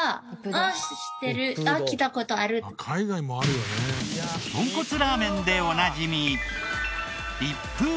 とんこつラーメンでおなじみ。